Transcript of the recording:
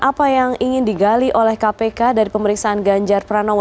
apa yang ingin digali oleh kpk dari pemeriksaan ganjar pranowo